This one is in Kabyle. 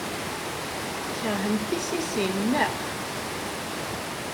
Tkeṛhemt tissisin, naɣ?